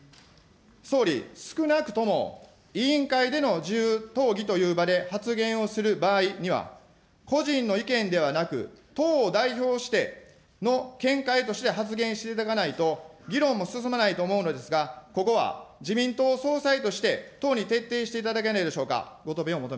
総理、少なくとも委員会での自由討議という場で発言をする場合には、個人の意見ではなく、党を代表しての見解として発言していただかないと、議論も進まないと思うのですが、ここは自民党総裁として、党に徹底していただけないでしょうか。